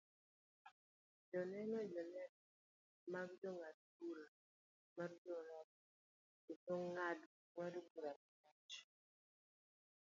joneno, joneno mag jang'ad bura mar joarabu kose jang'ad bura marachar